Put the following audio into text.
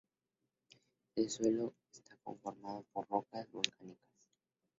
Su suelo está conformado por rocas volcánicas.